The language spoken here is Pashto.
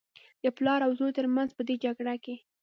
د پلار او زوى تر منځ په دې جګړه کې.